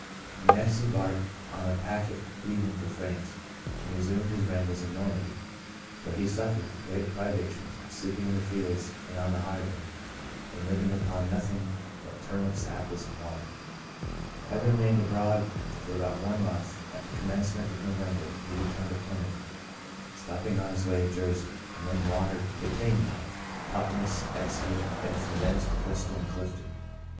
He next embarked on a packet leaving for France, and re sumed his rambles in Normandy, where he suffered great privations, sleeping in the fields and on the high road, and living upon nothing but turnips, apples, and water. Having remained abroad for about one month, at the commence ment of November he returned to Plymouth, stopping on his way at Jersey ; and then wandered to Teignmouth, Totness, Exeter, and from thence to Bristol and Clifton.